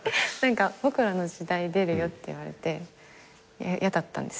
『ボクらの時代』出るよって言われて嫌だったんです。